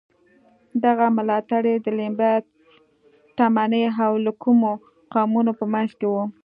دغه ملاتړي د لیمبا، تمني او لوکو قومونو په منځ کې وو.